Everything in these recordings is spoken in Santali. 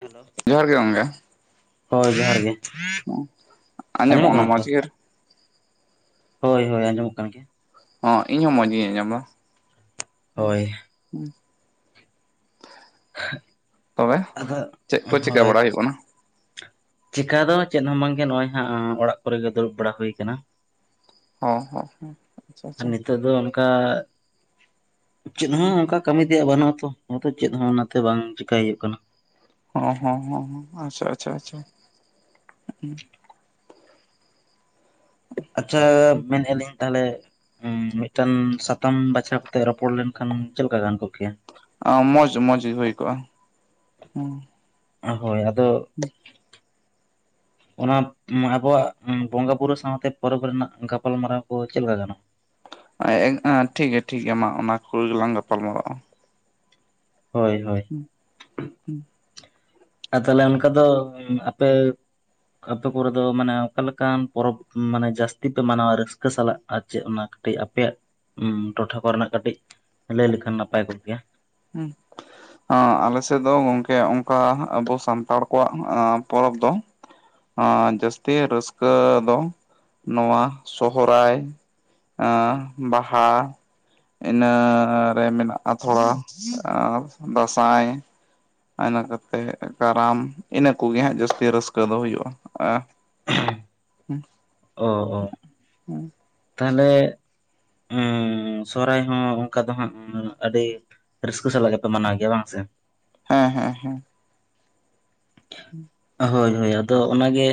ᱡ [unintelligible] ᱡᱚᱦᱟᱨ ᱜᱮ ᱜᱚᱢᱠᱮ ᱦᱳᱭ [unintelligible] ᱡᱚᱦᱟᱨ ᱜᱮ ᱟᱸᱡᱚᱢᱚᱜ ᱠᱟᱱᱟ ᱛᱚ ᱦᱳᱭ ᱦᱳᱭ ᱟᱸᱡᱚᱢᱚᱜ ᱠᱟᱱ ᱜᱮᱭᱟ ᱦᱚ ᱤᱧ ᱦᱚᱸ ᱢᱚᱸᱡ ᱜᱤᱧ ᱟᱸᱡᱚᱢᱟ ᱦᱳᱭ ᱦᱩᱸ [inaudible] ᱛᱚᱵᱮ ᱟᱫᱚ ᱪᱮᱫ ᱠᱚ ᱪᱤᱠᱟᱹ ᱵᱟᱲᱟ ᱦᱩᱭᱩᱜ ᱠᱟᱱᱟ ᱪᱤᱠᱟ ᱫᱚ ᱪᱮᱫ ᱦᱚᱸ ᱵᱟᱝᱜᱮ ᱱᱚᱜ-ᱚᱭ ᱦᱟᱸᱜ ᱚᱲᱟᱜ ᱠᱚᱨᱮᱜᱮ ᱫᱩᱲᱩᱵ ᱵᱟᱲᱟ ᱦᱩᱭ ᱠᱟᱱᱟ ᱦᱮᱸ ᱦᱮᱸ ᱦᱮᱸ ᱟᱪᱷᱟ ᱟᱪᱷᱟ ᱠᱟ ᱪᱮᱫ ᱦᱚᱸ ᱚᱱᱠᱟ ᱠᱟᱹᱢᱤ ᱛᱮᱭᱟᱜ ᱵᱟᱹᱱᱩᱜᱼᱟᱛᱚ ᱚᱱᱟ ᱪᱮᱫ ᱦᱚᱸ ᱚᱱᱟᱛᱮ ᱵᱟᱝ ᱪᱮᱠᱟᱹᱭ ᱦᱩᱭᱩᱜ ᱠᱟᱱᱟ ᱦᱚᱸ ᱦᱚᱸ ᱦᱚᱸ ᱟᱪᱷᱟ ᱟᱪᱷᱟ ᱟᱪᱷᱟ ᱟᱪᱷᱟ ᱢᱮᱱᱮᱫᱼᱟ ᱞᱤᱧ ᱛᱟᱦᱚᱞᱮ ᱦᱩᱸ ᱢᱤᱫᱴᱟᱝ ᱥᱟᱛᱟᱢ ᱵᱟᱪᱷᱟᱣ ᱠᱟᱛᱮᱜ ᱨᱚᱯᱚᱲ ᱞᱮᱱᱠᱷᱟᱱ ᱪᱮᱫ ᱞᱮᱠᱟ ᱜᱟᱱ ᱠᱚᱜ ᱠᱮᱭᱟ ᱢᱚᱡᱽ ᱢᱚᱸᱡᱽ ᱜᱮ ᱦᱩᱭ ᱠᱚᱜᱼᱟ ᱦᱮᱸ ᱦᱳᱭ ᱟᱫᱚ ᱦᱩ [unintelligible] ᱚᱱᱟ ᱟᱵᱚᱣᱟᱜ ᱵᱚᱸᱜᱟ ᱵᱩᱨᱩ ᱥᱟᱶᱛᱮ ᱯᱚᱨᱚᱵᱽ ᱨᱮᱱᱟᱜ ᱜᱟᱯᱟᱞ ᱢᱟᱨᱟᱣ ᱠᱚ ᱪᱮᱫ ᱞᱮᱠᱟ ᱜᱟᱱᱚᱜᱼᱟ᱾ ᱴᱷᱤᱠ ᱜᱮᱭᱟ ᱴᱷᱤᱠ ᱜᱮᱭᱟ ᱢᱟ ᱚᱱᱟ ᱠᱚ ᱜᱮᱞᱟᱝ ᱜᱟᱯᱟᱞ ᱢᱟᱨᱟᱜᱼᱟ ᱾ ᱦᱳᱭ ᱦᱳᱭ ᱦᱩᱸ ᱦᱩᱸ [unintelligible] ᱟᱨ ᱛᱟᱦᱚᱞᱮ ᱚᱱᱠᱟ ᱫᱚ ᱟᱯᱮ ᱟᱯᱮ ᱠᱚᱨᱮ ᱫᱚ ᱢᱟᱱᱮ ᱚᱠᱟ ᱞᱮᱠᱟᱱ ᱯᱚᱨᱚᱵᱽ ᱢᱟᱱᱮ ᱡᱟᱹᱥᱛᱤ ᱯᱮ ᱢᱟᱱᱟᱣᱟ ᱨᱟᱹᱥᱠᱟᱹ ᱥᱟᱞᱟᱜ ᱟᱨ ᱪᱮᱫ ᱚᱱᱟ ᱠᱟᱹᱴᱤᱡ ᱟᱯᱮᱭᱟᱜ ᱴᱚᱴᱷᱟ ᱠᱚᱨᱮᱱᱟᱜ ᱠᱟᱹᱴᱤᱡ ᱞᱟᱹᱭ ᱞᱮᱠᱷᱟᱱ ᱱᱟᱯᱟᱭ ᱠᱚᱜ ᱜᱮᱭᱟ ᱦᱩᱸ ᱟᱞᱮᱥᱮᱫ ᱫᱚ ᱜᱚᱝᱠᱮ ᱚᱱᱠᱟ ᱟᱵᱩ ᱥᱟᱱᱛᱟᱲ ᱠᱚᱣᱟᱜ ᱯᱚᱨᱚᱵᱽ ᱫᱚ ᱡᱟᱹᱥᱛᱤ ᱨᱟᱹᱥᱠᱟᱹ ᱫᱚ ᱱᱚᱣᱟ ᱥᱚᱦᱨᱟᱭ ᱟᱜ ᱵᱟᱦᱟ ᱤᱱᱟᱹ ᱨᱮ ᱢᱮᱱᱟᱜᱼᱟ ᱛᱷᱚᱲᱟ ᱫᱟᱸᱥᱟᱭ ᱤᱱᱟᱹ ᱠᱟᱛᱮᱜ ᱠᱟᱨᱟᱢ ᱤᱱᱟᱹ ᱠᱚᱜᱮ ᱦᱟᱸᱜ ᱡᱟᱹᱥᱛᱤ ᱨᱟᱹᱥᱠᱟᱹ ᱫᱚ ᱦᱩᱭᱩᱜᱼᱟ᱾ ᱚ ᱚ ᱛᱟᱦᱚᱞᱮ ᱦᱩ ᱥᱚᱨᱦᱟᱭ ᱦᱚᱸ ᱚᱱᱠᱟ ᱫᱚ ᱦᱟᱸᱜ ᱟᱹᱰᱤ ᱨᱟᱹᱥᱠᱟᱹ ᱥᱟᱞᱟᱜ ᱜᱮᱯᱮ ᱢᱟᱱᱟᱣ ᱜᱮᱭᱟ ᱵᱟᱝ ᱥᱮ ᱦᱮᱸ ᱦᱮᱸ ᱦᱮᱸ [inaudible] [inaudible] ᱦᱳᱭ ᱦᱳᱭ ᱟᱫᱚ ᱚᱱᱟᱜ ᱜᱮ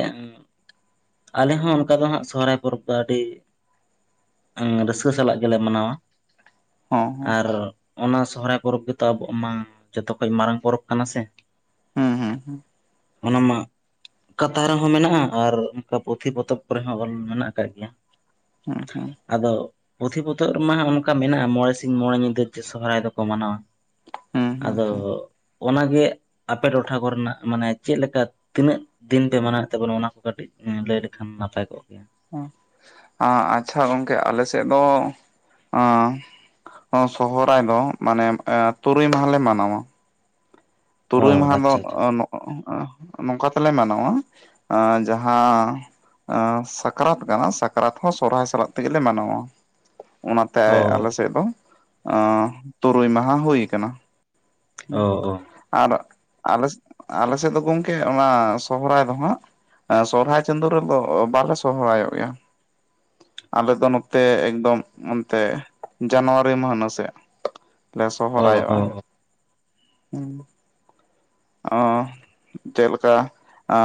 ᱟᱞᱮ ᱦᱚᱸ ᱚᱱᱠᱟ ᱫᱚ ᱦᱟᱸᱜ ᱥᱚᱨᱦᱟᱭ ᱯᱚᱨᱚᱵᱽ ᱫᱚ ᱟᱹᱰᱤ ᱨᱟᱹᱥᱠᱟᱹ ᱥᱟᱞᱟᱜ ᱜᱮᱞᱮ ᱢᱟᱱᱟᱣᱟ ᱦᱚᱸ ᱦᱚᱸ ᱟᱨ ᱚᱱᱟ ᱥᱚᱦᱚᱨᱟᱭ ᱯᱚᱨᱚᱵᱽ ᱜᱮᱛᱚ ᱟᱵᱚ ᱢᱟ ᱡᱚᱛᱚᱠᱷᱚᱡ ᱢᱟᱨᱟᱝ ᱯᱚᱨᱚᱵᱽ ᱠᱟᱱᱟ ᱥᱮ ᱦᱩᱸ ᱦᱩᱸ ᱦᱩᱸ ᱚᱱᱟ ᱢᱟ ᱠᱟᱛᱷᱟ ᱨᱮᱦᱚᱸ ᱢᱮᱱᱟᱜᱼᱟ ᱟᱨ ᱚᱱᱠᱟ ᱯᱩᱛᱷᱤ ᱯᱚᱛᱚᱵ ᱠᱚᱨᱮ ᱦᱚᱸ ᱚᱞ ᱢᱮᱱᱟᱜ ᱠᱟᱜ ᱜᱮᱭᱟ ᱾ ᱦᱮᱸ ᱦᱮᱸ ᱟᱫᱚ ᱯᱩᱛᱷᱤ ᱯᱚᱛᱚᱵ ᱨᱮᱢᱟ ᱚᱱᱠᱟ ᱢᱮᱱᱟᱜᱼᱟ ᱢᱚᱬᱮ ᱥᱤᱧ ᱢᱚᱬᱮ ᱧᱤᱫᱟᱹ ᱡᱮ ᱥᱚᱦᱚᱨᱟᱭ ᱫᱚᱠᱚ ᱢᱟᱱᱟᱣᱟ ᱾ ᱦᱩᱸ ᱦᱩᱸ ᱟᱫᱚ ᱦᱩᱸ ᱚᱱᱟᱜᱮ ᱟᱯᱮ ᱴᱚᱴᱷᱟ ᱠᱚᱨᱮᱱᱟᱜ ᱢᱟᱱᱮ ᱪᱮᱫ ᱞᱮᱠᱟ ᱛᱤᱱᱟᱹᱜ ᱫᱤᱱ ᱯᱮ ᱢᱟᱱᱟᱣ ᱮᱫ ᱛᱟᱵᱚᱱᱟ ᱚᱱᱟ ᱠᱚ ᱠᱟᱹᱴᱤᱡ ᱦᱮᱸ ᱞᱟᱹᱭ ᱞᱮᱠᱷᱟᱱ ᱱᱟᱯᱟᱭ ᱠᱚᱜ ᱠᱮᱭᱟ ᱾ ᱟᱪᱷᱟ ᱜᱚᱝᱠᱮ ᱟᱞᱮ ᱥᱮᱫ ᱫᱚ ᱥᱚᱨᱦᱟᱭ ᱫᱚ ᱢᱟᱱᱮ ᱛᱩᱨᱩᱭ ᱢᱟᱦᱟᱞᱮ ᱢᱟᱱᱟᱣ-ᱟ᱾ ᱚ ᱛᱩᱨᱩᱭ ᱢᱟᱦᱟ ᱫᱚ ᱟᱪᱪᱷᱟ ᱟᱪᱪᱷᱟ ᱱᱚᱝᱠᱟ ᱛᱮᱞᱮ ᱢᱟᱱᱟᱣᱟ ᱡᱟᱦᱟᱸ ᱥᱟᱠᱨᱟᱛ ᱠᱟᱱᱟ ᱥᱟᱠᱨᱟᱛ ᱦᱚᱸ ᱥᱚᱨᱚᱦᱟᱭ ᱥᱟᱞᱟᱜ ᱛᱮᱜᱮᱞᱮ ᱢᱟᱱᱟᱣᱟ ᱚᱱᱟᱛᱮ ᱚ ᱟᱞᱮ ᱥᱮᱫ ᱫᱚ ᱛᱩᱨᱩᱭ ᱢᱟᱦᱟ ᱦᱩᱭᱠᱟᱱᱟ ᱦᱩᱸ ᱚ ᱚ ᱟᱨ ᱟᱞ ᱟᱞᱮ ᱥᱮᱫ ᱫᱚ ᱜᱚᱢᱠᱮ ᱚᱱᱟ ᱥᱚᱦᱚᱨᱟᱭ ᱫᱚ ᱦᱟᱸᱜ ᱥᱚᱨᱦᱟᱭ ᱪᱟᱸᱫᱳ ᱨᱮᱫᱚ ᱵᱟᱞᱮ ᱥᱚᱨᱦᱟᱭᱚᱜ ᱜᱮᱭᱟ ᱟᱞᱮ ᱫᱚ ᱱᱚᱛᱮ ᱮᱠᱫᱚᱢ ᱚᱱᱛᱮ ᱡᱟᱱᱩᱣᱟᱨᱤ ᱢᱟᱦᱱᱟ ᱥᱮᱜ ᱞᱮ ᱚ ᱚ ᱥᱚᱦᱚᱨᱟᱭᱚᱜ-ᱟ ᱦᱮᱸ ᱟᱻ ᱪᱮᱫ ᱞᱮᱠᱟ ᱟᱻ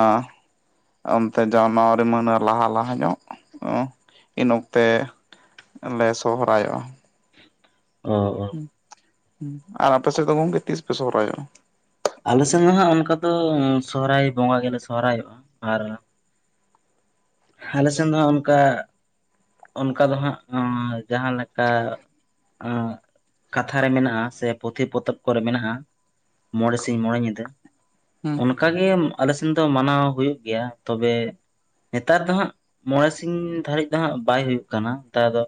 ᱚᱱᱛᱮ ᱡᱟᱱᱩᱣᱟᱨᱤ ᱢᱟᱹᱦᱱᱟᱹ ᱞᱟᱦᱟ ᱞᱟᱦᱟ ᱧᱚᱜ ᱤᱱ ᱚᱠᱛᱮ ᱞᱮ ᱥᱚᱦᱚᱨᱟᱭᱚᱜ-ᱟ ᱚ ᱦᱩᱸ ᱟᱨ ᱟᱯᱮ ᱥᱮᱫ ᱫᱚ ᱜᱚᱝᱠᱮ ᱛᱤᱥ ᱯᱮ ᱥᱚᱦᱚᱨᱟᱭᱚᱜ-ᱟ ᱟᱞᱮᱥᱮᱱ ᱦᱟᱸᱜ ᱚᱱᱠᱟ ᱫᱚ ᱥᱚᱦᱚᱨᱟᱭ ᱵᱚᱸᱜᱟ ᱜᱮᱞᱮ ᱥᱚᱦᱚᱨᱟᱭᱚᱜ-ᱟ ᱟᱨ ᱟᱞᱮ ᱥᱮᱱ ᱦᱟᱸᱜ ᱚᱱᱠᱟ ᱚᱱᱠᱟ ᱫᱚ ᱦᱟᱸᱜ ᱡᱟᱦᱟᱸ ᱞᱮᱠᱟ ᱟ ᱠᱟᱛᱷᱟ ᱨᱮ ᱢᱮᱱᱟᱜ-ᱟ ᱥᱮ ᱯᱩᱛᱷᱤ ᱯᱚᱛᱚᱵ ᱠᱚᱨᱮ ᱢᱮᱱᱟᱜ-ᱟ ᱢᱚᱬᱮ ᱥᱤᱧ ᱢᱚᱬᱮ ᱧᱤᱫᱟᱹ ᱦᱮᱸ ᱚᱱᱠᱟ ᱜᱮ ᱟᱞᱮᱥᱮᱱ ᱫᱚ ᱢᱟᱱᱟᱣ ᱦᱩᱭᱩᱜ ᱜᱮᱭᱟ ᱛᱚᱵᱮ ᱱᱮᱛᱟᱨ ᱫᱚ ᱦᱟᱸᱜ ᱢᱚᱬᱮ ᱥᱤᱧ ᱫᱷᱟᱹᱨᱤᱡ ᱫᱚ ᱦᱟᱸᱜ ᱵᱟᱭ ᱦᱩᱭᱩᱜ ᱠᱟᱱᱟ ᱱᱮᱛᱟᱨ ᱫᱚ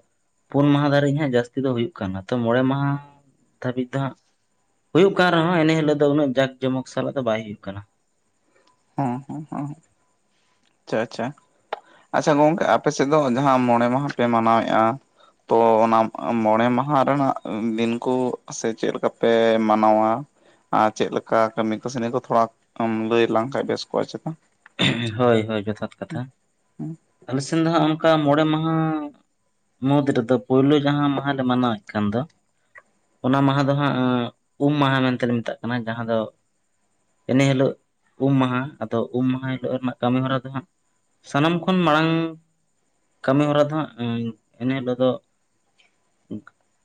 ᱯᱩᱱ ᱢᱟᱦᱟ ᱫᱷᱟᱹᱨᱤᱡ ᱦᱟᱸᱜ ᱡᱟᱹᱥᱛᱤ ᱫᱚ ᱦᱩᱭᱩᱜ ᱠᱟᱱᱟ ᱛᱚ ᱢᱚᱬᱮ ᱢᱟᱦᱟ ᱫᱷᱟᱹᱵᱤᱡ ᱫᱚ ᱦᱟᱸᱜ ᱦᱩᱭᱩᱜ ᱠᱟᱱ ᱨᱮᱦᱚᱸ ᱮᱱᱮ ᱦᱤᱞᱳᱜ ᱫᱚ ᱩᱱᱟᱹᱜ ᱡᱟᱠ ᱡᱚᱢᱚᱠ ᱥᱟᱞᱟᱜ ᱫᱚ ᱵᱟᱭ ᱦᱩᱭᱩᱜ ᱠᱟᱱᱟ ᱦᱮᱸ ᱦᱮᱸ ᱦᱮᱸ ᱟᱪᱪᱷᱟ ᱟᱪᱪᱷᱟ ᱟᱪᱪᱷᱟ ᱜᱚᱝᱠᱮ ᱟᱯᱮ ᱥᱮᱫ ᱫᱚ ᱡᱟᱦᱟᱸ ᱢᱚᱬᱮ ᱢᱟᱦᱟ ᱯᱮ ᱢᱟᱱᱟᱣᱮᱫ-ᱟ ᱛᱚ ᱚᱱᱟ ᱢᱚᱬᱮ ᱢᱟᱦᱟ ᱨᱮᱱᱟᱜ ᱫᱤᱱ ᱠᱚ ᱥᱮ ᱪᱮᱫ ᱞᱮᱠᱟ ᱯᱮ ᱢᱟᱱᱟᱣᱟ ᱟᱨ ᱪᱮᱫ ᱞᱮᱠᱟ ᱠᱟᱹᱢᱤ ᱠᱟᱹᱥᱱᱤ ᱠᱚ ᱛᱷᱚᱲᱟ ᱞᱟᱹᱭ ᱞᱟᱝ ᱠᱷᱟᱡ ᱵᱮᱥ ᱠᱚᱜ-ᱟ ᱪᱮᱛᱟ ᱦᱳᱭ ᱦᱳᱭ ᱡᱚᱛᱷᱟᱛ ᱠᱟᱛᱷᱟ ᱦᱩᱸ ᱟᱞᱮ ᱥᱮᱱ ᱫᱚ ᱦᱟᱸᱜ ᱚᱱᱠᱟ ᱢᱚᱬᱮ ᱢᱟᱦᱟ ᱢᱩᱫᱽ ᱨᱮᱫᱚ ᱯᱳᱭᱞᱳ ᱡᱟᱦᱟᱸ ᱢᱟᱦᱟᱞᱮ ᱢᱟᱱᱟᱣᱮᱫ ᱠᱟᱱ ᱫᱚ ᱚᱱᱟ ᱢᱟᱦᱟ ᱫᱚ ᱦᱟᱸᱜ ᱩᱢ ᱢᱟᱦᱟ ᱢᱮᱱᱛᱮ ᱞᱮ ᱢᱮᱛᱟᱜ ᱠᱟᱱᱟ ᱡᱟᱦᱟᱸ ᱫᱚ ᱮᱱᱮ ᱦᱤᱞᱟᱹᱜ ᱩᱢ ᱢᱟᱦᱟ ᱟᱫᱚ ᱩᱢ ᱢᱟᱦᱟ ᱦᱤᱞᱳᱜ ᱨᱮᱱᱟᱜ ᱠᱟᱹᱢᱤ ᱦᱚᱨᱟ ᱫᱚ ᱦᱟᱸᱜ ᱥᱟᱱᱟᱢ ᱠᱷᱚᱱ ᱢᱟᱲᱟᱝ ᱠᱟᱹᱢᱤ ᱦᱚᱨᱟ ᱫᱚ ᱦᱟᱸᱜ ᱮᱱᱮ ᱦᱤᱞᱟᱹᱜ ᱫᱚ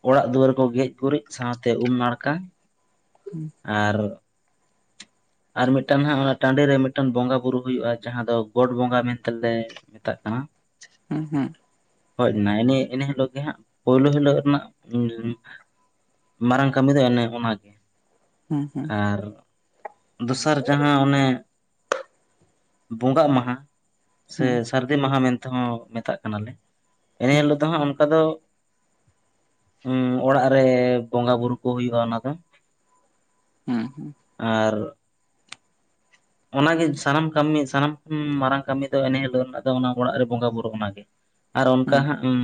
ᱚᱲᱟᱜ ᱫᱩᱣᱟᱹᱨ ᱠᱚ ᱜᱮᱡ ᱜᱩᱨᱤᱡ ᱥᱟᱶᱛᱮ ᱩᱢ ᱱᱟᱲᱠᱟ ᱦᱩᱸ ᱟᱨ ᱟᱨ ᱢᱤᱫᱴᱟᱝ ᱦᱟᱸᱜ ᱚᱱᱟ ᱴᱟᱺᱰᱤ ᱨᱮ ᱢᱤᱫᱴᱟᱝ ᱵᱚᱸᱜᱟ ᱵᱩᱨᱩ ᱦᱩᱭᱩᱜ-ᱟ ᱡᱟᱦᱟᱸ ᱫᱚ ᱜᱚᱴ ᱵᱚᱸᱜᱟ ᱢᱮᱱᱛᱮᱞᱮ ᱢᱮᱛᱟᱜ ᱠᱟᱱᱟ ᱦᱩᱸ ᱦᱩᱸ ᱦᱳᱭ ᱱᱟᱭᱮ ᱤᱱᱟᱹ ᱦᱤᱞᱳᱜ ᱜᱮ ᱦᱟᱜ ᱯᱳᱭᱞᱳ ᱦᱤᱞᱳᱜ ᱨᱮᱱᱟᱜ ᱢᱟᱨᱟᱝ ᱠᱟᱹᱢᱤ ᱫᱚ ᱮᱱᱮ ᱚᱱᱟᱜᱮ ᱦᱩᱸ ᱦᱩᱸ ᱟᱨ ᱫᱚᱥᱟᱨ ᱡᱟᱦᱟᱸ ᱚᱱᱮ ᱵᱚᱸᱜᱟᱜ ᱢᱟᱦᱟ ᱥᱮ ᱦᱩᱸ ᱥᱟᱹᱨᱫᱤ ᱢᱟᱦᱟ ᱢᱮᱱᱛᱮᱦᱚᱸ ᱢᱮᱛᱟᱜ ᱠᱟᱱᱟᱞᱮ ᱮᱱᱮ ᱦᱩᱸ ᱦᱤᱞᱳᱜ ᱫᱚ ᱦᱟᱜ ᱟᱫᱚ ᱚᱲᱟᱜ ᱨᱮ ᱵᱚᱸᱜᱟ ᱵᱩᱨᱩ ᱠᱚ ᱦᱩᱭᱩᱜ-ᱟ ᱚᱱᱟ ᱫᱚ ᱦᱩᱸ ᱦᱩᱸ ᱟᱨ ᱚᱱᱟᱜᱮ ᱥᱟᱱᱟᱢ ᱠᱟᱹᱢᱤ ᱥᱟᱱᱟᱢ ᱢᱟᱨᱟᱝ ᱠᱟᱹᱢᱤ ᱫᱚ ᱮᱱᱮᱦᱤᱞᱳᱜ ᱨᱮᱱᱟᱜ ᱫᱚ ᱚᱱᱟ ᱚᱲᱟᱜ ᱨᱮ ᱵᱚᱸᱜᱟ ᱵᱩᱨᱩ ᱚᱱᱟᱜᱮ ᱟᱨ ᱚᱱᱠᱟ ᱦᱩᱸ ᱦᱟᱸᱜ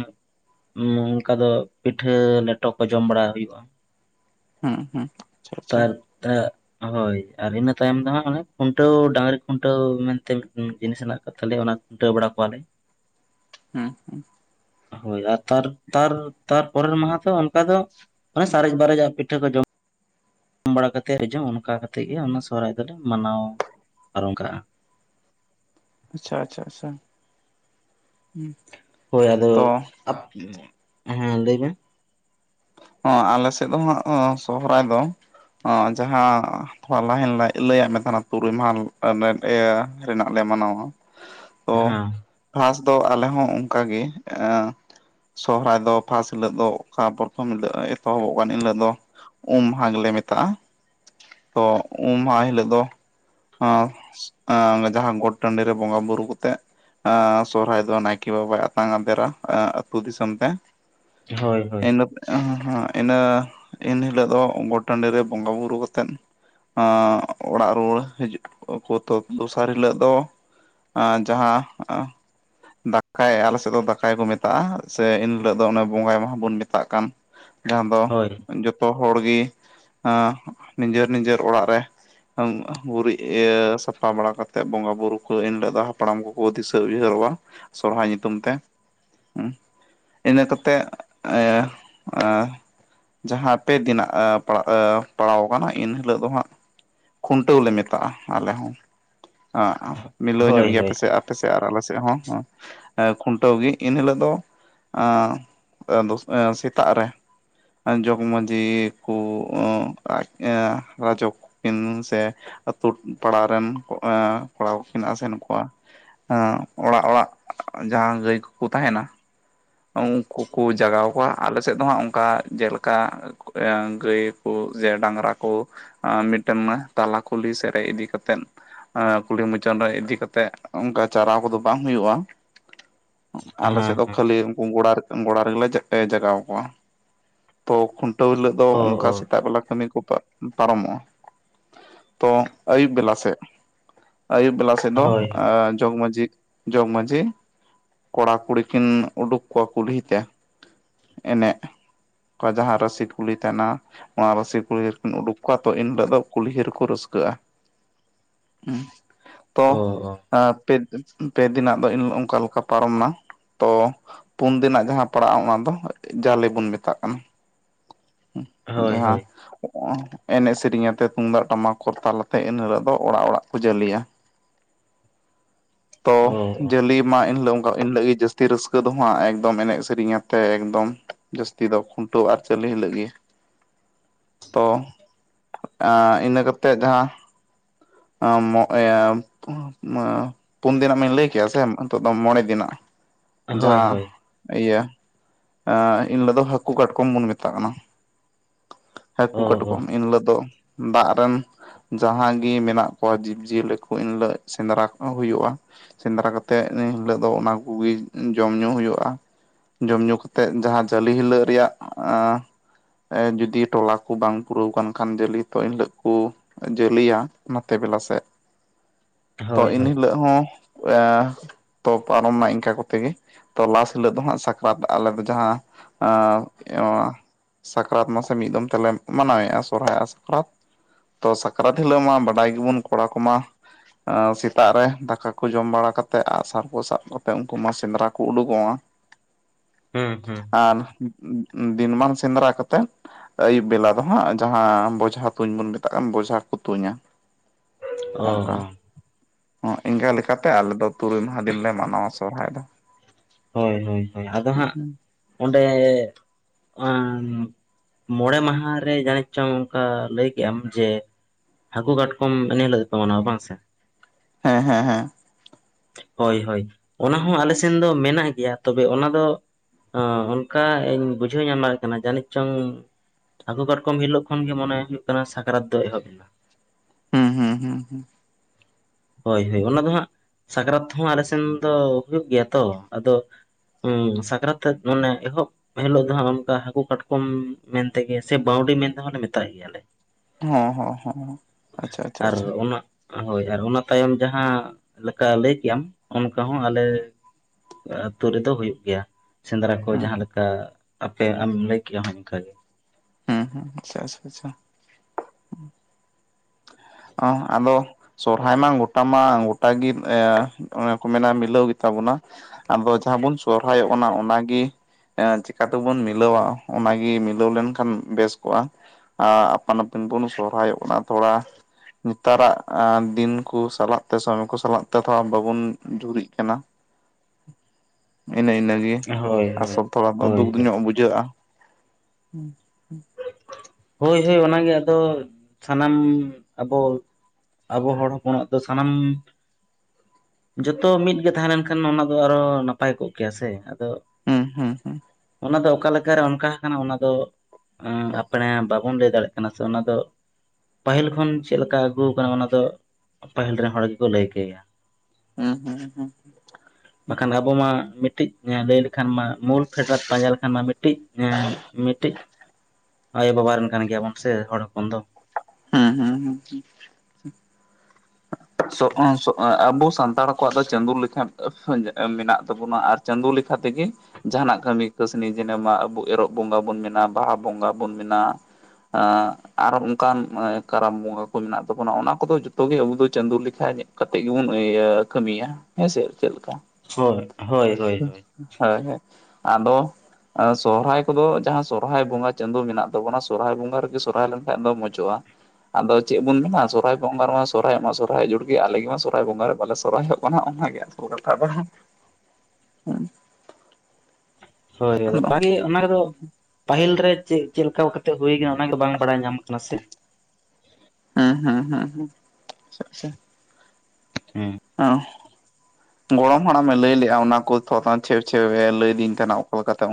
ᱚᱱᱠᱟ ᱫᱚ ᱯᱤᱴᱷᱟᱹ ᱞᱮᱴᱚ ᱠᱚ ᱡᱚᱢ ᱵᱟᱲᱟ ᱦᱩᱭᱩᱜ-ᱟ ᱦᱩᱸ ᱦᱩᱸ ᱟᱪᱷᱟ ᱟᱪᱷᱟ ᱛᱟᱨ ᱦᱳᱭ ᱟᱨ ᱤᱱᱟᱹ ᱛᱟᱭᱚᱢ ᱫᱚ ᱦᱟᱸᱜ ᱚᱱᱮ ᱠᱷᱩᱱᱴᱟᱹᱣ ᱰᱟᱝᱨᱤ ᱠᱷᱩᱱᱴᱟᱹᱣ ᱢᱮᱱᱛᱮ ᱢᱤᱫ ᱴᱮᱱ ᱡᱤᱱᱤᱥ ᱦᱮᱱᱟᱜ ᱟᱠᱟᱫ ᱛᱟᱞᱮᱭᱟ ᱚᱱᱟ ᱠᱷᱩᱱᱴᱟᱹᱣ ᱵᱟᱲᱟ ᱠᱚᱣᱟᱞᱮ ᱦᱮᱸ ᱦᱮᱸ ᱦᱳᱭ ᱟᱨ ᱛᱟᱨ ᱛᱟᱨ ᱛᱟᱨ ᱯᱚᱨᱮᱨ ᱢᱟᱦᱟ ᱫᱚ ᱚᱱᱠᱟ ᱫᱚ ᱥᱟᱨᱮᱡ ᱵᱟᱨᱮᱡᱟᱜ ᱯᱤᱴᱷᱟᱹ ᱠᱚ ᱡᱚᱢ ᱡᱚᱢ ᱵᱟᱲᱟ ᱠᱟᱛᱮ ᱟᱨᱡᱚᱢ ᱚᱱᱠᱟ ᱠᱟᱛᱮ ᱜᱮ ᱚᱱᱟ ᱥᱚᱦᱨᱟᱭ ᱫᱚᱞᱮ ᱢᱟᱱᱟᱣ ᱟᱨ ᱚᱱᱠᱟᱜ-ᱟ ᱟᱪᱷᱟ ᱟᱪᱷᱟ ᱟᱪᱷᱟ ᱦᱩᱸ ᱦᱳᱭ ᱛᱚ ᱟᱫᱚ ᱦᱟ ᱞᱟᱹᱭᱢᱮ ᱦᱚ ᱟᱞᱮ ᱥᱮᱫ ᱦᱟᱸᱜ ᱥᱚᱦᱨᱟᱭ ᱫᱚ ᱡᱟᱦᱟᱸ ᱛᱷᱚᱲᱟ ᱞᱟᱦᱟᱭ ᱞᱟᱹᱭᱟᱜ ᱢᱮ ᱛᱟᱦᱮᱱᱟ ᱛᱩᱨᱩᱭ ᱢᱟᱦᱟ ᱨᱮᱱᱟᱜ ᱞᱮ ᱢᱟᱱᱟᱣᱟ ᱚ ᱦᱮᱸ ᱯᱷᱟᱥ ᱫᱚ ᱟᱞᱮ ᱦᱚᱸ ᱚᱱᱠᱟᱜᱮᱸ ᱥᱚᱦᱦᱟᱭ ᱫᱚ ᱯᱷᱟᱥ ᱦᱤᱞᱟᱹᱜ ᱫᱚ ᱚᱠᱟ ᱮᱚᱛᱚᱦᱤᱞᱳᱜ ᱮᱛᱚᱦᱚᱵᱚᱜ ᱠᱟᱱ ᱮᱱᱦᱤᱞᱟᱹᱜ ᱫᱚ ᱩᱢ ᱢᱟᱦᱟ ᱜᱮᱞᱮ ᱢᱮᱛᱟᱜᱼᱟ ᱛᱚ ᱩᱢ ᱢᱟᱦᱟ ᱦᱤᱞᱳᱜ ᱫᱚ ᱡᱟᱦᱟᱸ ᱜᱚᱴ ᱴᱟᱺᱰᱤ ᱨᱮ ᱵᱚᱸᱜᱟ ᱵᱩᱨᱩ ᱠᱟᱛᱮᱜ ᱟᱸ ᱥᱚᱨᱦᱟᱭ ᱫᱚ ᱱᱟᱭᱠᱮ ᱵᱟᱵᱟᱭ ᱟᱛᱟᱝ ᱟᱫᱮᱨᱟ ᱟᱹᱛᱩ ᱫᱤᱥᱚᱢ ᱛᱮ ᱦᱳᱭ ᱦᱳᱭ ᱸ ᱤᱱᱟᱹ ᱮᱱᱦᱤᱞᱳᱜ ᱫᱚ ᱚᱜᱚᱴ ᱴᱟᱺᱰ ᱨᱮ ᱵᱚᱸᱜᱟ ᱵᱩᱨᱩ ᱠᱟᱛᱮᱫ ᱚᱲᱟᱜ ᱨᱩᱣᱟᱹᱲ ᱦᱤᱡᱩᱜ ᱟᱠᱚ ᱛᱚ ᱫᱚᱥᱟᱨ ᱦᱤᱞᱟᱹᱜ ᱫᱚ ᱟ ᱡᱟᱦᱟᱸ ᱫᱟᱠᱟᱭ ᱟᱞᱮ ᱥᱮᱫ ᱫᱚ ᱫᱟᱠᱟᱭ ᱠᱚ ᱢᱮᱛᱟᱜᱼᱟ ᱥᱮ ᱮᱱᱦᱤᱞᱳᱜ ᱫᱚ ᱚᱱᱮ ᱵᱚᱸᱜᱟᱭ ᱢᱟᱦᱟ ᱵᱚᱱ ᱢᱮᱛᱟᱜ ᱠᱟᱱ ᱡᱟᱦᱟᱸ ᱫᱚ ᱦᱳᱭ ᱡᱚᱛᱚ ᱦᱚᱲ ᱜᱮ ᱱᱤᱡᱮᱨ ᱱᱤᱡᱮᱨ ᱚᱲᱟᱜ ᱨᱮ ᱜᱩᱨᱤᱡ ᱤᱭᱟᱹ ᱥᱟᱯᱷᱟ ᱵᱟᱲᱟ ᱠᱟᱛᱮ ᱵᱚᱸᱜᱟ ᱵᱩᱨᱩ ᱠᱚ ᱮᱱᱦᱤᱞᱳᱜ ᱫᱚ ᱦᱟᱯᱲᱟᱢ ᱠᱚᱠᱚ ᱫᱤᱥᱟᱹ ᱩᱭᱦᱟᱹᱨᱚᱜᱣᱟ ᱥᱚᱨᱦᱟᱭ ᱧᱩᱛᱩᱢ ᱛᱮ ᱤᱱᱟᱹ ᱠᱟᱛᱮ ᱡᱟᱦᱟᱸ ᱯᱮ ᱫᱤᱱᱟᱜ ᱯᱟᱲᱟᱜ ᱯᱟᱲᱟᱣ ᱟᱠᱟᱱᱟ ᱮᱱᱦᱤᱞᱳᱜ ᱫᱚ ᱦᱟᱸᱜ ᱠᱷᱩᱱᱴᱟᱹᱣ ᱞᱮ ᱢᱮᱛᱟᱜᱼᱟ ᱟᱞᱮ ᱦᱚᱸ ᱢᱤᱞᱟᱹᱣ ᱧᱚᱜ ᱦᱳᱭ ᱜᱮᱭᱟ ᱦᱳᱭ ᱯᱟᱥᱮ ᱯᱮᱥᱮ ᱟᱨ ᱟᱞ ᱥᱮᱫ ᱦᱚᱸ ᱠᱷᱩᱱᱴᱟᱹᱣ ᱜᱮ ᱮᱱᱦᱤᱞᱳᱜ ᱫᱚ ᱥᱮᱛᱟᱜ ᱨᱮ ᱡᱚᱜᱽ ᱢᱟᱺᱡᱷᱤ ᱠᱚ ᱨᱟᱡᱚᱠ ᱠᱤᱱᱩ ᱥᱮ ᱟᱹᱛᱩ ᱯᱟᱲᱟᱨ ᱨᱮᱱ ᱠᱚᱲᱟ ᱠᱚᱠᱤ ᱟᱥᱮ ᱱᱩᱠᱩᱣᱟᱜ ᱚᱲᱟᱜ ᱚᱲᱟᱜ ᱡᱟᱦᱟᱸ ᱜᱟᱹᱭ ᱠᱚᱠᱚ ᱛᱟᱦᱮᱱᱟ ᱩᱱᱠᱩ ᱠᱚ ᱡᱟᱜᱟᱣ ᱠᱚᱣᱟ ᱟᱞᱮᱥᱮᱫ ᱫᱚ ᱦᱟᱸᱜ ᱚᱱᱠᱟ ᱡᱮᱞᱮᱠᱟ ᱜᱟᱹᱭ ᱠᱚ ᱡᱮ ᱰᱟᱝᱨᱟ ᱠᱚ ᱢᱤᱫᱴᱮᱱ ᱛᱟᱞᱟ ᱠᱩᱞᱦᱤ ᱥᱜᱨᱮ ᱤᱫᱤ ᱠᱟ ᱠᱟᱛᱮᱫ ᱟᱸ ᱠᱩᱞᱦᱤ ᱢᱩᱪᱟᱹᱫ ᱨᱮ ᱤᱫᱤ ᱠᱟᱛᱮᱜ ᱚᱱᱠᱟ ᱪᱟᱨᱦᱟᱣ ᱠᱚᱫᱚ ᱵᱟᱝ ᱦᱩᱭᱩᱜᱼᱟ [unintelligible] ᱟᱞᱮ ᱦᱮᱸ ᱥᱮᱫ ᱫᱚ ᱦᱮᱸ ᱠᱷᱟᱹᱞᱤ ᱩᱱᱠᱩ ᱜᱚᱲᱟ ᱨᱮ ᱜᱚᱲᱟ ᱨᱮᱜᱮ ᱞᱮ ᱡᱟᱜ ᱮ ᱡᱟᱜᱟᱣ ᱠᱚᱣᱟ ᱛᱚ ᱠᱷᱩᱱ ᱴᱟᱹᱣ ᱦᱤᱞᱟᱹᱜ ᱫᱚ ᱚ ᱚᱱᱠᱟ ᱚ ᱥᱮᱛᱟᱜ ᱵᱮᱞᱟ ᱠᱟᱹᱢᱤ ᱠᱚ ᱯᱟᱨᱚᱢᱚᱜᱼᱟ ᱛᱚ ᱟᱹᱭᱩᱵ ᱵᱮᱞᱟ ᱥᱮᱫ ᱟᱹᱭᱩᱵ ᱵᱮᱞᱟ ᱥᱮ ᱛᱮᱫᱚ ᱦᱳᱭ ᱦᱳᱭ ᱟᱡ ᱡᱚᱜᱽᱢᱟᱺᱡᱷᱤ ᱡᱚᱜᱽ ᱢᱟᱺᱡᱷᱤ ᱠᱚᱲᱟ ᱠᱩᱲᱤ ᱠᱤᱱ ᱩᱰᱩᱠ ᱠᱚᱣᱟ ᱠᱩᱞᱦᱤ ᱛᱮ ᱮᱱᱮᱡ ᱚᱠᱟ ᱡᱟᱦᱟᱸ ᱨᱟᱹᱥᱤ ᱠᱩᱞᱦᱤ ᱛᱟᱦᱮᱱᱟ ᱚᱱᱟ ᱨᱟᱹᱥᱤ ᱠᱩᱞᱦᱤ ᱨᱮᱠᱤᱱ ᱩᱰᱩᱠ ᱠᱚᱣᱟ ᱛᱚ ᱮᱱ ᱦᱤᱞᱳᱜ ᱫᱚ ᱠᱩᱞᱦᱤ ᱨᱮᱠᱚ ᱨᱟᱹᱥᱠᱟᱹᱜᱼᱟ ᱦᱩᱸ ᱛᱚ ᱚ ᱚ ᱟ ᱯᱮ ᱯᱮ ᱫᱤᱱᱟᱜ ᱫᱚ ᱮᱱ ᱦᱤᱞᱚᱜ ᱚᱱᱠᱟ ᱞᱮᱠᱟ ᱯᱟᱨᱚᱢ ᱮᱱᱟ ᱛᱚ ᱯᱩᱱ ᱫᱤᱱᱟᱜ ᱡᱟᱦᱟᱸ ᱯᱟᱲᱟᱜᱼᱟ ᱚᱱᱟ ᱫᱚ ᱡᱟᱞᱮ ᱵᱚᱱ ᱢᱮᱛᱟᱜ ᱠᱟᱱᱟ ᱦᱳᱭ ᱡᱟᱦᱟᱸ ᱦᱳᱭ ᱮᱱᱮᱜ ᱥᱮᱨᱮᱧ ᱟᱛᱮ ᱛᱩᱢᱫᱟᱜ ᱴᱟᱢᱟᱠ ᱠᱚ ᱛᱟᱞᱛᱮ ᱮᱱ ᱦᱤᱞᱳᱜ ᱫᱚ ᱚᱲᱟᱜ ᱚᱲᱟᱜ ᱠᱚ ᱡᱟᱞᱮᱭᱟ [unintelligible] ᱛᱚ ᱚ ᱚ ᱡᱟᱹᱞᱤ ᱢᱟ ᱮᱱᱦᱤᱞᱳ ᱟᱫᱚ ᱮᱱᱦᱤᱞᱳᱜ ᱜᱮ ᱡᱟᱹᱥᱛᱤ ᱨᱟᱹᱥᱠᱟᱹ ᱫᱚ ᱦᱟᱸᱜ ᱮᱠᱫᱚᱢ ᱮᱱᱮᱡ ᱥᱮᱨᱮᱧ ᱟᱛᱮᱫ ᱮᱠᱫᱚᱢ ᱡᱟᱹᱥᱛᱤ ᱫᱚ ᱠᱷᱩᱱᱴᱟᱹᱣ ᱟᱨ ᱪᱮᱫ ᱞᱤᱧ ᱞᱟᱹᱭᱟ ᱛᱚ ᱟᱸ ᱤᱱᱟᱹ ᱠᱟᱛᱮᱫ ᱡᱟᱦᱟᱸ ᱟ [inaudible] [unintelligible] ᱯᱩᱱ ᱫᱤᱱᱟᱹᱜ ᱢᱟᱹᱧ ᱞᱟᱹᱭ ᱠᱮᱭᱟ ᱥᱮ ᱱᱤᱛᱚᱜ ᱫᱚ ᱢᱚᱬᱮ ᱫᱤᱱᱟᱜ ᱦᱳᱭ ᱡᱟᱦᱟᱸ ᱦᱳᱭ ᱤᱭᱟᱹ ᱮᱸᱜ ᱮᱱ ᱦᱤᱞᱳᱜ ᱫᱚ ᱦᱟᱹᱠᱩ ᱠᱟᱴᱠᱚᱢ ᱵᱚᱱ ᱢᱮᱛᱟᱜ ᱠᱟᱱᱟ ᱦᱟᱹᱠᱩ ᱚ ᱠᱟᱴᱠᱚᱢ ᱚ ᱮᱱ ᱦᱤᱞᱳᱜ ᱫᱚ ᱫᱟᱜ ᱨᱮᱱ ᱡᱟᱦᱟᱸ ᱜᱮ ᱢᱮᱱᱟᱜ ᱠᱚᱣᱟ ᱡᱤᱵᱽ ᱡᱤᱭᱟᱹᱞᱤ ᱠᱚ ᱮᱱ ᱦᱤᱞᱳᱜ ᱥᱮᱸᱫᱽᱨᱟ ᱠᱚᱦᱚᱸ ᱦᱩᱭᱩᱜᱼᱟ ᱥᱮᱸᱫᱽᱨᱟ ᱠᱟᱛᱮᱫ ᱤᱱᱟᱹ ᱦᱤᱞᱳᱜ ᱫᱚ ᱚᱱᱟ ᱠᱚᱜᱮ ᱡᱚᱢ ᱧᱩ ᱦᱩᱭᱩᱜᱼᱟ [inaudible] ᱡᱚᱢ ᱧᱩ ᱠᱟᱼᱼ ᱛᱮᱫ ᱡᱟᱦᱟᱸ ᱡᱟᱹᱞᱤ ᱦᱤᱞᱟᱹᱜ ᱨᱮᱭᱟᱜ [unintelligible] ᱮᱸ ᱡᱩᱫᱤ ᱴᱚᱞᱟ ᱠᱚ ᱵᱟᱝ ᱯᱩᱨᱟᱹᱣ ᱟᱠᱟᱱ ᱠᱷᱟᱱ ᱡᱟᱹᱞᱤ ᱛᱚ ᱮᱱ ᱦᱤᱞᱟᱹᱜ ᱠᱩ ᱡᱟᱹᱞᱤᱭᱟ ᱱᱟᱛᱮ ᱵᱮᱞᱟ ᱥᱮᱫ [inaudible] ᱛᱚ ᱮᱱ ᱦᱳᱭ ᱦᱤᱞᱳᱜ ᱦᱚᱸ ᱮᱸ ᱛᱚ ᱯᱟᱨᱚᱢᱱᱟ ᱤᱱᱠᱟ ᱠᱚᱛᱮᱜᱮ ᱛᱚ ᱞᱟᱥᱴ ᱦᱤᱞᱳᱜ ᱫᱚ ᱦᱟᱸᱜ ᱥᱟᱠᱨᱟᱛ ᱟᱞᱮ ᱫᱚ ᱡᱟᱦᱟᱸ [unintelligible] ᱥᱟᱠᱨᱟᱛ ᱢᱟᱥᱮ ᱢᱤᱫ ᱫᱚᱢ ᱛᱮᱞᱮ ᱢᱟᱱᱟᱣᱮᱫᱼᱟ ᱥᱚᱨᱦᱟᱭ ᱟᱨ ᱥᱟᱠᱨᱟᱛ ᱛᱚ ᱥᱟᱠᱨᱟᱛ ᱦᱤᱞᱟᱹᱜ ᱢᱟ ᱵᱟᱰᱟᱭ ᱜᱮᱵᱚᱱ ᱠᱚᱲᱟ ᱠᱚᱢᱟ ᱮᱸ ᱥᱮᱛᱟᱜ ᱨᱮ ᱫᱟᱠᱟ ᱠᱚ ᱡᱚᱢ ᱵᱟᱲᱟ ᱠᱟᱛᱮᱜ ᱟᱜ ᱥᱟᱨ ᱠᱩ ᱥᱟᱵ ᱠᱟᱛᱮ ᱩᱱᱠᱩ ᱢᱟ ᱥᱮᱸᱫᱽᱨᱟ ᱠᱩ ᱩᱰᱩᱠᱚᱸᱜᱼᱟ ᱦᱮᱸ ᱦᱮᱸ ᱟᱨ ᱫᱤᱱ ᱢᱟᱱ ᱥᱮᱸᱫᱽᱨᱟ ᱠᱟᱛᱮ ᱟᱹᱭᱩᱵ ᱵᱮᱞᱟ ᱫᱚ ᱦᱟᱸᱜ ᱡᱟᱦᱟᱸ ᱵᱚᱡᱷᱟ ᱛᱩᱧ ᱵᱚᱱ ᱢᱮᱛᱟᱜ ᱠᱟᱱ ᱵᱚᱡᱷᱟ ᱠᱚ ᱛᱩᱧᱟ ᱚ ᱚᱱᱠᱟ ᱚ [inaudible] ᱤᱱᱠᱟᱹ ᱞᱮᱠᱟᱛᱮ ᱟᱞᱮ ᱫᱚ ᱛᱩᱨᱩᱭ ᱢᱟᱦᱟ ᱫᱤᱱ ᱞᱮ ᱢᱟᱱᱟᱣᱟ ᱥᱮ ᱥᱚᱨᱦᱟᱭ ᱫᱚ ᱦᱳᱭ ᱦᱳᱭ ᱦᱳᱭ ᱟᱫᱚ ᱦᱟᱸᱜ ᱚᱸᱰᱮ ᱟᱸ ᱢᱚᱬᱮ ᱢᱟᱦᱟ ᱨᱮ ᱡᱟᱹᱱᱤᱡ ᱪᱚᱝ ᱚᱱᱠᱟ ᱞᱟᱹᱭ ᱠᱮᱫ ᱟᱢ ᱡᱮ ᱦᱟᱹᱠᱩ ᱠᱟᱴᱠᱚᱢ ᱤᱱᱟᱹ ᱦᱤᱞᱳᱜ ᱜᱮᱯᱮ ᱢᱟᱱᱟᱣᱟ ᱵᱟᱝ ᱥᱮ ᱦᱮᱸ ᱦᱮᱸ ᱦᱮᱸ ᱦᱳᱭ ᱦᱳᱭ ᱚᱱᱟ ᱦᱚᱸ ᱟᱞᱮ ᱥᱮᱱ ᱫᱚ ᱢᱮᱱᱟᱜ ᱜᱮᱭᱟ ᱛᱚᱵᱮ ᱚᱱᱟ ᱫᱚ ᱚᱱᱠᱟ ᱤᱧ ᱵᱩᱡᱷᱟᱹᱣ ᱧᱟᱢ ᱫᱟᱲᱮᱭᱟᱜ ᱠᱟᱱᱟ ᱡᱟᱹᱱᱤᱡ ᱪᱚᱝ ᱦᱟᱹᱠᱩ ᱠᱟᱴᱠᱚᱢ ᱦᱤᱞᱳᱜ ᱠᱷᱚᱱ ᱜᱮ ᱢᱚᱱᱮ ᱦᱩᱭᱩᱜ ᱠᱟᱱᱟ ᱥᱟᱠᱨᱟᱛ ᱫᱚ ᱮᱦᱚᱵ ᱮᱱᱟ ᱦᱩᱸ ᱦᱩᱸ ᱦᱩᱸ ᱦᱩᱸ ᱦᱳᱭ ᱦᱳᱭ ᱚᱱᱟ ᱫᱚ ᱦᱟᱸᱜ ᱥᱟᱠᱨᱟᱛ ᱦᱚᱸ ᱟᱞᱮ ᱥᱮᱱ ᱫᱚ ᱦᱩᱭᱩᱜ ᱜᱮᱭᱟ ᱛᱚ ᱟᱫᱚ ᱦᱩᱸ ᱥᱟᱠᱨᱟᱛ ᱛᱟᱹᱠ ᱢᱟᱱᱮ ᱮᱦᱚᱵ ᱮᱱ ᱦᱤᱞᱳᱜ ᱫᱚ ᱦᱟᱸᱜ ᱚᱱᱠᱟ ᱦᱟᱹᱠᱩ ᱠᱟᱴᱠᱚᱢ ᱢᱮᱱᱛᱮ ᱜᱮ ᱥᱮ ᱵᱟᱺᱣᱰᱤ ᱢᱮᱱᱛᱮ ᱦᱚᱸᱞᱮ ᱢᱮᱛᱟᱜ ᱜᱮᱭᱟ ᱞᱮ ᱦᱳᱸ ᱦᱳᱸ ᱦᱳᱸ ᱦᱳᱸ ᱟᱨ ᱚᱱᱟ ᱦᱳᱭ ᱟᱨ ᱚᱱᱟ ᱛᱟᱭᱚᱢ ᱡᱟᱦᱟᱸ ᱞᱮᱠᱟ ᱞᱟᱹᱭ ᱠᱮᱜ ᱟᱢ ᱚᱱᱠᱟ ᱦᱚᱸ ᱟᱞᱮ ᱟᱹᱛᱩ ᱨᱮᱫᱚ ᱦᱩᱭᱩᱜ ᱜᱮᱭᱟ᱾ ᱥᱮᱸᱫᱽᱨᱟ ᱠᱚ ᱦᱩᱸ ᱡᱟᱦᱟᱸ ᱞᱮᱠᱟ ᱟᱯᱮ ᱟᱢ ᱞᱟᱹᱭ ᱠᱮᱭᱟᱢ ᱦᱮᱸ ᱤᱱᱠᱟᱜᱮ᱾ ᱦᱩᱸ ᱦᱩᱸ ᱟᱪᱪᱷᱟ ᱟᱪᱪᱷᱟ [unintelligible] ᱟᱫᱚ ᱥᱚᱨᱦᱟᱭ ᱢᱟ ᱜᱚᱴᱟ ᱢᱟ ᱜᱚᱴᱟᱜᱮ ᱮ ᱚᱱᱮ ᱠᱚ ᱢᱮᱱᱟ ᱢᱤᱞᱟᱹᱣ ᱜᱮᱛᱟᱵᱚᱱᱟ ᱟᱫᱚ ᱡᱟᱦᱟᱸ ᱵᱚᱱ ᱥᱚᱨᱚᱦᱟᱭᱚᱜ ᱠᱟᱱᱟ ᱚᱱᱟᱜᱮ ᱮᱸ ᱪᱤᱠᱟᱛᱮᱵᱚᱱ ᱢᱤᱞᱟᱹᱣᱟ᱾ ᱚᱱᱟᱜᱮ ᱢᱤᱞᱟᱹᱣ ᱞᱮᱱᱠᱷᱟᱱ ᱵᱮᱥ ᱠᱚᱜᱼᱟ᱾ ᱟᱯᱟᱱ ᱟᱹᱯᱤᱱ ᱵᱚᱱ ᱥᱚᱦᱚᱨᱟᱭᱚᱜ ᱠᱟᱱᱟ ᱛᱷᱚᱲᱟ ᱱᱮᱛᱟᱨᱟᱜ ᱫᱤᱱ ᱠᱚ ᱥᱟᱞᱟᱜ ᱛᱮ ᱥᱚᱢᱚᱭ ᱠᱚ ᱥᱟᱞᱟᱜ ᱛᱮ ᱛᱷᱚᱲᱟ ᱵᱟᱵᱩᱱ ᱡᱩᱨᱤᱜ ᱠᱟᱱᱟ᱾ [inaudible] ᱮᱱᱮᱹ ᱤᱱᱟᱹᱜᱮ ᱦᱳᱭ ᱦᱳᱭ ᱟᱥᱚᱞ ᱛᱷᱚᱲᱟ ᱫᱚ ᱦᱳᱭ ᱫᱩᱠ ᱦᱳᱭ ᱧᱚᱜ ᱵᱩᱡᱷᱟᱹᱜᱼᱟ᱾ ᱦᱳᱭ ᱦᱳᱭ ᱚᱱᱟᱜᱮ ᱟᱫᱚ ᱥᱟᱱᱟᱢ ᱟᱵᱚ ᱟᱵᱚ ᱦᱚᱲ ᱦᱚᱯᱚᱱᱟᱜ ᱫᱚ ᱥᱟᱱᱟᱢ ᱡᱚᱛᱚ ᱢᱤᱫᱜᱮ ᱛᱟᱦᱮᱸ ᱞᱮᱱᱠᱷᱟᱱ ᱚᱱᱟ ᱫᱚ ᱟᱨᱦᱚᱸᱱᱟᱯᱟᱭ ᱠᱚᱜ ᱠᱮᱭᱟ ᱥᱮ ᱟᱫᱚ ᱦᱩᱸ ᱦᱩᱸ ᱦᱩᱸ ᱚᱱᱟ ᱫᱚ ᱚᱠᱟᱞᱮᱠᱟᱨᱮ ᱚᱱᱠᱟ ᱟᱠᱟᱱᱟ᱾ ᱚᱱᱟ ᱫᱚ [unintelligible] ᱵᱟᱵᱚᱱ ᱞᱟᱹᱭ ᱫᱟᱲᱮᱭᱟᱜ ᱠᱟᱱᱟ ᱥᱮ ᱚᱱᱟ ᱫᱚ᱾ ᱯᱟᱹᱦᱤᱞ ᱠᱷᱚᱱ ᱪᱮᱫ ᱞᱮᱠᱟ ᱟᱹᱜᱩ ᱟᱠᱟᱱᱟ᱾ ᱚᱱᱟ ᱫᱚ ᱯᱟᱹᱦᱤᱞ ᱨᱮᱱ ᱦᱚᱲ ᱜᱮᱠᱚ ᱞᱟᱹᱭᱠᱮᱭᱟ᱾ ᱦᱩᱸ ᱦᱩᱸ ᱦᱩᱸ ᱵᱟᱠᱷᱟᱱ ᱟᱵᱚ ᱢᱟ ᱢᱤᱫᱴᱤᱡ ᱞᱟᱹᱭ ᱞᱮᱠᱟᱛᱮ ᱠᱷᱟᱱ ᱢᱟ ᱢᱩᱞ ᱯᱷᱮᱰᱟᱨᱟᱛ ᱯᱟᱸᱡᱟ ᱞᱮᱠᱷᱟᱱ ᱢᱟ ᱢᱤᱫᱴᱤᱡ [unintelligible] ᱢᱤᱫᱴᱤᱡ ᱟᱭᱳ ᱵᱟᱵᱟ ᱨᱮᱱ ᱠᱟᱱ ᱜᱮᱭᱟᱵᱚᱱ ᱥᱮ ᱦᱚᱲ ᱦᱚᱯᱚᱱ ᱫᱚ᱾ ᱦᱮᱸᱻᱦᱮᱸᱻᱦᱮᱸᱻᱦᱚᱸ᱾ [unintelligible] ᱟᱵᱚ ᱥᱟᱱᱛᱟᱲ ᱠᱚᱣᱟᱜ ᱫᱚ ᱪᱟᱸᱫᱚ ᱞᱮᱠᱟᱱ ᱢᱮᱱᱟᱜ ᱛᱟᱵᱚᱱᱟ ᱟᱨ ᱪᱟᱸᱫᱳ ᱞᱮᱠᱟ ᱛᱮᱜᱮ ᱡᱟᱦᱟᱱᱟᱜ ᱠᱟᱹᱢᱤ ᱠᱟᱹᱥᱱᱤ ᱡᱮ ᱢᱮᱱᱟ ᱟᱵᱚ ᱮᱨᱚᱜ ᱵᱚᱸᱜᱟ ᱵᱚᱱ ᱢᱮᱱᱟ ᱵᱟᱦᱟ ᱵᱚᱸᱜᱟ ᱵᱚᱱ ᱢᱮᱱᱟ᱾ ᱟᱸ ᱟᱨᱦᱚᱸ ᱚᱱᱠᱟᱱ ᱠᱟᱨᱟᱢ ᱵᱚᱸᱜᱟ ᱠᱚ ᱢᱮᱱᱟᱜ ᱛᱟᱵᱚᱱᱟ᱾ ᱚᱱᱟ ᱠᱚᱫᱚ ᱡᱚᱛᱚ ᱜᱮ ᱟᱵᱚ ᱫᱚ ᱪᱟᱸᱫᱚ ᱞᱮᱠᱷᱟ ᱠᱟᱛᱮᱜ ᱜᱮᱵᱚᱱ ᱤᱭᱟᱹ ᱠᱟᱹᱢᱤᱭᱟ᱾ ᱦᱮᱸᱥᱮ ᱪᱮᱫ ᱞᱮᱠᱟ? ᱦᱳᱭᱻᱦᱳᱭᱻᱦᱳᱭᱻᱦᱳᱭ᱾ ᱦᱳᱭᱻᱦᱳᱭᱻ᱾ ᱟᱫᱚ ᱥᱚᱦᱚᱨᱦᱟᱭ ᱠᱚᱫᱚ ᱡᱟᱦᱟᱸ ᱥᱚᱨᱦᱟᱭ ᱵᱚᱸᱜᱟ ᱪᱟᱸᱫᱳ ᱢᱮᱱᱟᱜ ᱛᱟᱵᱚᱱᱟ ᱥᱚᱨᱦᱟᱭ ᱵᱚᱸᱜᱟ ᱨᱮᱜᱮ ᱥᱚᱦᱚᱨᱟᱭ ᱞᱮᱱᱠᱷᱟᱱ ᱫᱚ ᱢᱚᱸᱡᱚᱜᱼᱟ᱾ ᱟᱫᱚ ᱪᱮᱫ ᱵᱚᱱ ᱢᱮᱱᱟ? ᱥᱚᱨᱦᱟᱭ ᱵᱚᱸᱜᱟ ᱨᱮᱢᱟ ᱥᱚᱨᱦᱟᱭᱚᱜ ᱢᱟ ᱥᱚᱨᱦᱟᱭ ᱡᱩᱲ ᱜᱮ, ᱟᱞᱮ ᱢᱟ ᱥᱚᱨᱦᱟᱭ ᱵᱚᱸᱜᱟ ᱨᱮ ᱵᱟᱞᱮ ᱥᱚᱨᱦᱟᱭᱚᱜ ᱠᱟᱱᱟ᱾ ᱚᱱᱟᱜᱮ ᱚ ᱠᱟᱛᱷᱟ ᱫᱚ ᱱᱟᱜ [inaudible] [unintelligible] ᱦᱳᱭ ᱦᱩᱸ ᱚᱱᱟᱜᱮ ᱚᱱᱟ ᱠᱚᱫᱚ ᱯᱟᱹᱦᱤᱞ ᱨᱮ ᱪᱮᱜ ᱪᱮᱜ ᱞᱮᱠᱟ ᱠᱟᱛᱮᱜ ᱦᱩᱭ ᱠᱟᱱᱟ᱾ ᱚᱱᱟᱜᱮ ᱵᱟᱝ ᱵᱟᱲᱟᱭ ᱧᱟᱢ ᱠᱟᱱᱟ ᱥᱮ᱾ ᱦᱩᱸᱻᱦᱩᱸᱻᱦᱩᱸᱻᱦᱚᱸ, ᱟᱪᱪᱷᱟ᱾ ᱦᱮᱸ ᱚᱻ ᱜᱚᱲᱚᱢ ᱦᱟᱲᱟᱢᱮ ᱞᱟᱹᱭ ᱞᱮᱜᱼᱟ᱾ ᱚᱱᱟ ᱠᱚ ᱛᱚ ᱪᱷᱮᱯ ᱪᱷᱮᱯ ᱮ ᱞᱟᱹᱭ ᱟᱫᱤᱧ ᱛᱟᱦᱮᱱᱟ᱾ ᱚᱠᱟ ᱞᱮᱠᱟᱛᱮ